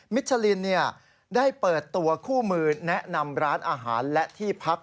ชลินได้เปิดตัวคู่มือแนะนำร้านอาหารและที่พัก